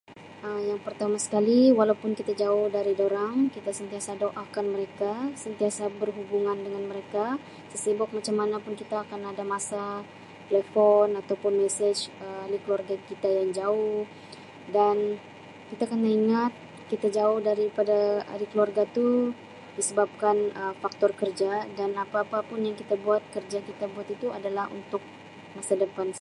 Um Yang pertama sekali walaupun kita jauh dari dorang kita sentiasa doakan mereka, sentiasa berhubungan dengan mereka sesibuk macam mana pun kita akan ada masa telefon atau pun mesej ahli keluarga kita yang jauh dan kita kena ingat kita jauh daripada ahli keluarga tu disebabkan Um faktor kerja dan apa-apa pun yang kita buat kerja kita buat itu adalah untuk masa depan.